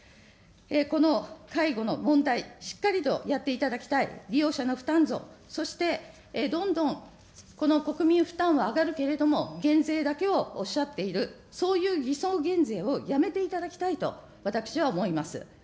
この介護の問題、しっかりとやっていただきたい、利用者の負担増、そして、どんどんこの国民負担は上がるけれども、減税だけをおっしゃっている、そういう偽装減税をやめていただきたいと私は思います。